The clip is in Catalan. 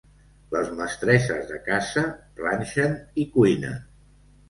Les mestresses de casa planxen i cuinen.